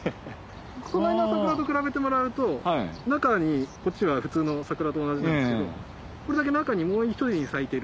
隣の桜と比べてもらうと中にこっちは普通の桜と同じなんですけどこれだけ中にもう一輪咲いてる。